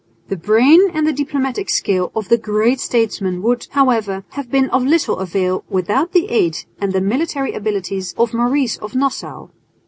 The brain and the diplomatic skill of the great statesman would, however, have been of little avail without the aid of the military abilities of Maurice of Nassau.